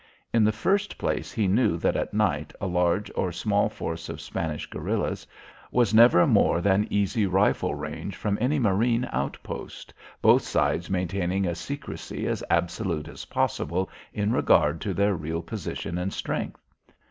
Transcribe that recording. In the first place he knew that at night a large or small force of Spanish guerillas was never more than easy rifle range from any marine outpost, both sides maintaining a secrecy as absolute as possible in regard to their real position and strength.